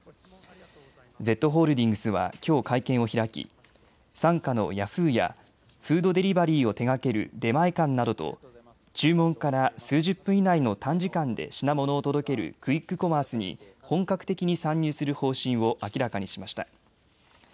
Ｚホールディングスはきょう会見を開き傘下のヤフーやフードデリバリーを手がける出前館などと注文から数十分以内の短時間で品物を届けるクイックコマースに本格的に参入する方針を明らかにしました。